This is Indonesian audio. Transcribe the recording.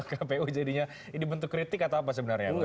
kpu jadinya ini bentuk kritik atau apa sebenarnya